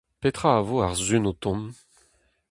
Petra a vo ar sizhun o tont ?